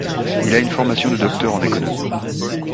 Il a une formation de docteur en économie.